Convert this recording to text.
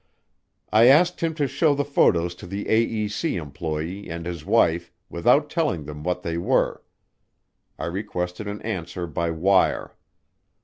I asked him to show the photos to the AEC employee and his wife without telling them what they were. I requested an answer by wire.